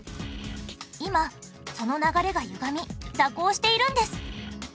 今その流れがゆがみ蛇行しているんです。